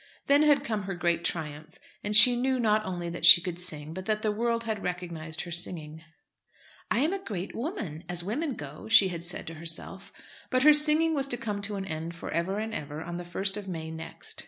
Then had come her great triumph, and she knew not only that she could sing, but that the world had recognised her singing. "I am a great woman, as women go," she had said to herself. But her singing was to come to an end for ever and ever on the 1st of May next.